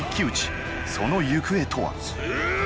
その行方とは。